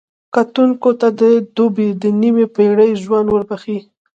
کتونکو ته د دوبۍ د نیمې پېړۍ ژوند ورښيي.